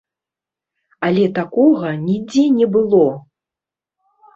Але такога нідзе не было.